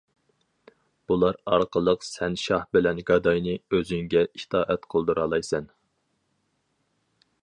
بۇلار ئارقىلىق سەن شاھ بىلەن گاداينى ئۆزۈڭگە ئىتائەت قىلدۇرالايسەن.